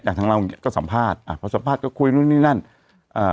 อย่างทางเราอย่างเงี้ยก็สัมภาษณ์อ่ะเพราะสัมภาษณ์ก็คุยนู่นนี่นั่นอ่า